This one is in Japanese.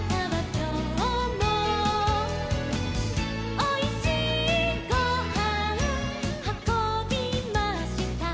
「おいしいごはんはこびました」